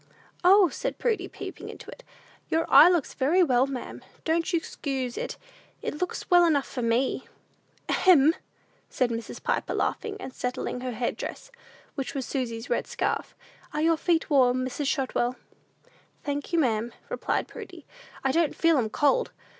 "O," said Prudy, peeping into it, "your eye looks very well, ma'am; don't you 'xcuse it; it looks well enough for me." "Ahem!" said Mrs. Piper, laughing, and settling her head dress, which was Susy's red scarf: "are your feet warm, Mrs. Shotwell?" "Thank you, ma'am," replied Prudy, "I don't feel 'em cold.